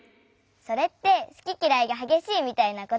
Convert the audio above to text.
それってすききらいがはげしいみたいなことでしょ？